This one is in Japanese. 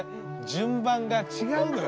順番が違うのよ。